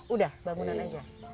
udah bangunan aja